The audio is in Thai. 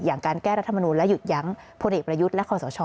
การแก้รัฐมนูลและหยุดยั้งพลเอกประยุทธ์และคอสช